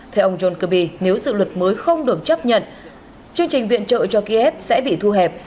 theo ông john kirby nếu dự luật mới không được chấp nhận chương trình viện trợ cho kiev sẽ bị thu hẹp